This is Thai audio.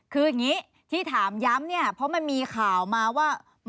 คืออย่างนี้ที่ถามย้ำเนี่ยเพราะมันมีข่าวมาว่า